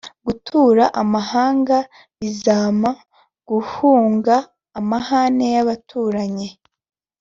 Gutura amahanga Bizampa guhunga amahane yabaturanyi